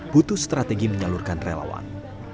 butuh strategi menyalurkan relawan